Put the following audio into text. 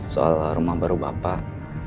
soal rumah baru bapak